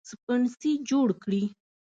سپڼسي جوړ کړي